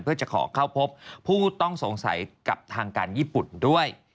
เพื่อจะขอเข้าพบผู้ต้องสงสัยกับทางการญี่ปุ่นด้วย